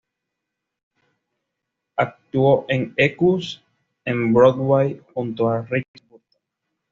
Actuó en "Equus" en Broadway junto a Richard Burton.